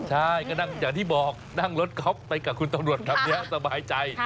ใช่ก็นั่งอย่างที่บอกนั่งรถก๊อฟไปกับคุณตำรวจแบบนี้สบายใจ